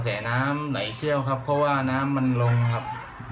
น้ำไหลเชี่ยวครับเพราะว่าน้ำมันลงครับ